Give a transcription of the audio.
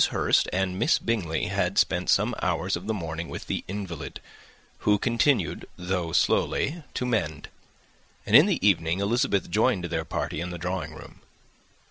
Hurst and Miss Bingley had spent some hours of the morning with the invalid, who continued, though slowly, to mend; and, in the evening, Elizabeth joined their party in the drawing room.